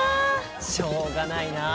しょうがないなあ。